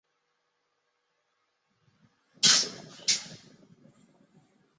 达纳氏烛光鱼为辐鳍鱼纲巨口鱼目褶胸鱼科的其中一种。